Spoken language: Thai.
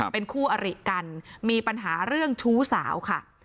เป็นคู่อริกันมีปัญหาเรื่องชู้สาวค่ะ